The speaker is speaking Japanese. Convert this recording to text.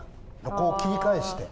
こう切り返して。